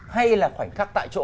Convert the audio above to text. hay là khoảnh khắc tại chỗ